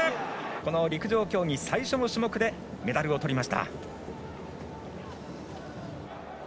この陸上競技、最初の種目でメダルをとりました。